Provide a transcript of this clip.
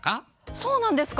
そうなんですか？